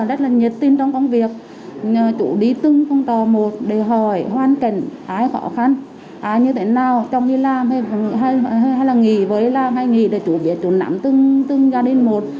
ai khó khăn ai như thế nào chồng đi làm hay là nghỉ với làm hay nghỉ để chủ biết chủ nắm từng gia đình một